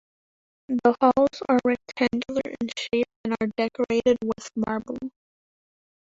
The halls are rectangular in shape and are decorated with marble.